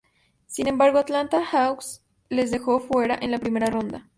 Sin embargo, Atlanta Hawks les dejó fuera en primera ronda.